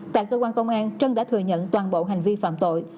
tại cơ quan công an trân đã thừa nhận toàn bộ hành vi phạm tội